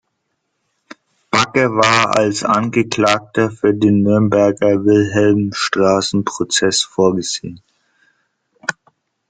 Backe war als Angeklagter für den Nürnberger Wilhelmstraßen-Prozess vorgesehen.